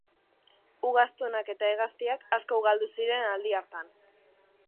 Ugaztunak eta hegaztiak asko ugaldu ziren aldi hartan.